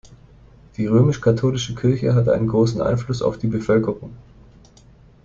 Die römisch-katholische Kirche hat einen großen Einfluss auf die Bevölkerung.